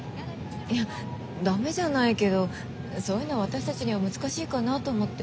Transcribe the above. いやダメじゃないけどそういうの私たちには難しいかなと思って。